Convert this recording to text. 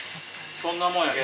そんなもんやけ。